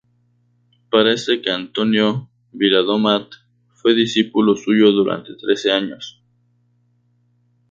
Parece que Antonio Viladomat fue discípulo suyo durante trece años.